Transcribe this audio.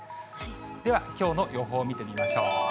では、きょうの予報見てみましょう。